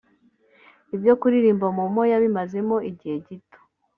Ibyo kuririmba Momo yabimazemo igihe gito